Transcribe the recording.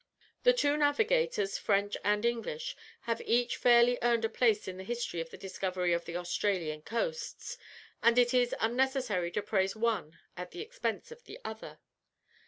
The two navigators, French and English, have each fairly earned a place in the history of the discovery of the Australian coasts, and it is unnecessary to praise one at the expense of the other.